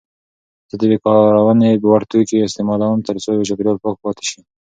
زه د بیاکارونې وړ توکي استعمالوم ترڅو چاپیریال پاک پاتې شي.